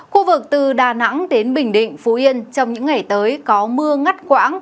khu vực từ đà nẵng đến bình định phú yên trong những ngày tới có mưa ngắt quãng